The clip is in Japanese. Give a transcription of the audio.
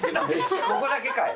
ここだけかい！